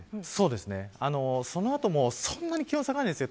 その後もそんなに気温下がらないです。